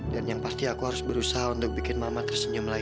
dan yang pasti aku harus berusaha untuk bikin mama tersenyum lagi